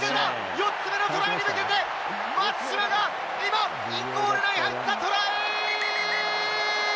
４つ目のトライに向けて松島が今、インゴールラインに入った！トライ！